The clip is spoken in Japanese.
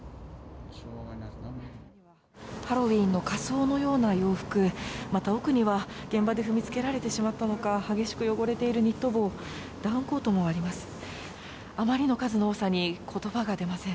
ハロウィーンの仮装のような洋服、また奥には現場で踏みつけられてしまったのか、激しく汚れているニット帽、ダウンコートもあります。